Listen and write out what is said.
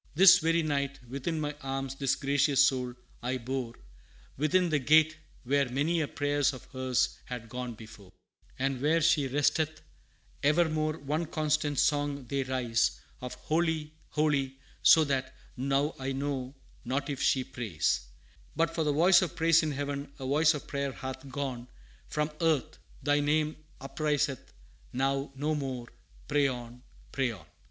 "This very night within my arms this gracious soul I bore Within the Gate, where many a prayer of hers had gone before; "And where she resteth, evermore one constant song they raise Of 'Holy, holy,' so that now I know not if she prays; "But for the voice of praise in Heaven, a voice of Prayer hath gone From Earth; thy name upriseth now no more; pray on, pray on!"